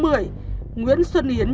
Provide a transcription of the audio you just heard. nguyễn xuân yến nhi thuê phòng tại tòa e một